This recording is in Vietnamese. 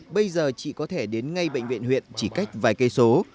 bây giờ chị có thể đến ngay bệnh viện huyện chỉ cách vài cây số